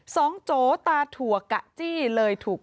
สองโจตาถั่วกัะจี้เลยถูกรวบ